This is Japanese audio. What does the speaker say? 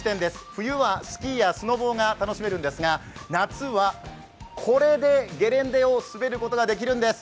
冬はスキーやスノボ−が楽しめるんですが夏はこれでゲレンデを滑ることができるんです。